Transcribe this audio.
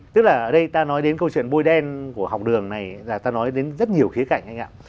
ta nói đến câu chuyện bôi đen của học đường này ta nói đến rất nhiều khía cạnh anh ạ